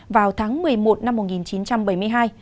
vào tháng một mươi một năm một nghìn chín trăm bảy mươi hai